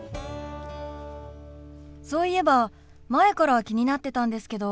そういえば前から気になってたんですけど。